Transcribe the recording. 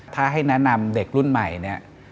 ถ้าให้แนะนำเด็กรุ่นใหม่เนี่ย